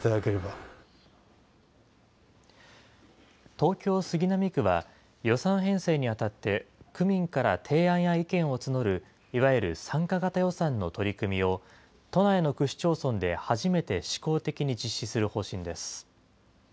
東京・杉並区は予算編成にあたって、区民から提案や意見を募る、いわゆる参加型予算の取り組みを、都内の区市町村で初めて試行的に実施する方針です。